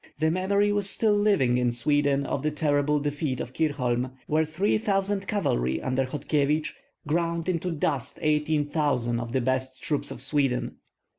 The memory was still living in Sweden of the terrible defeat of Kirchholm, where three thousand cavalry under Hodkyevich ground into dust eighteen thousand of the best troops of Sweden.